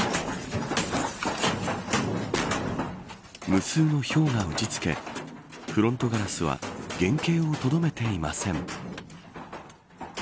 無数のひょうが打ち付けフロントガラスは原形をとどめていません。